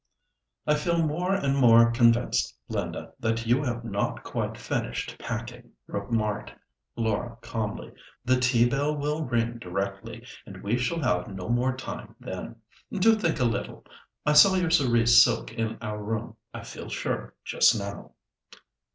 "I feel more and more convinced, Linda, that you have not quite finished packing," remarked Laura calmly. "The tea bell will ring directly, and we shall have no more time then. Do think a little. I saw your cerise silk in our room, I feel sure, just now."